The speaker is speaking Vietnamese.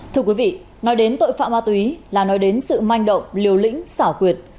thưa quý vị nói đến tội phạm ma túy là nói đến sự manh động liều lĩnh xảo quyệt